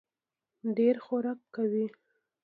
ډېر خورک کوي.